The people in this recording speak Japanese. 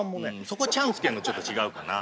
そこ「ちゃん」付けんのちょっと違うかな。